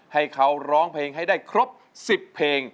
ให้เขาร้องเพลงให้ได้ครบ๑๐เพลง